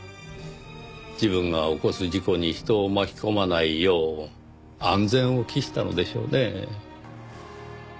自分が起こす事故に人を巻き込まないよう安全を期したのでしょうねぇ。